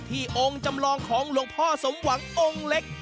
องค์จำลองของหลวงพ่อสมหวังองค์เล็ก